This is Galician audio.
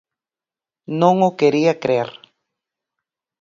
Non o quería crer.